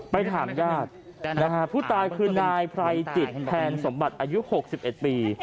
ไปถามญาตินะฮะผู้ตายคือนายไพรจิตแพนสมบัติอายุ๖๑ปี